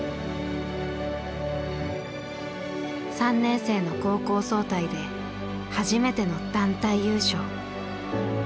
３年生の高校総体で初めての団体優勝。